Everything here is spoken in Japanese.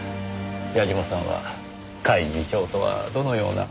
矢嶋さんは甲斐次長とはどのような。